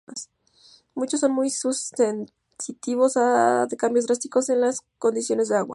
Muchos son muy sensitivos a cambios drásticos en las condiciones del agua.